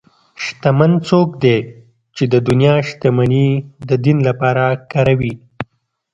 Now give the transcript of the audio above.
شتمن څوک دی چې د دنیا شتمني د دین لپاره کاروي.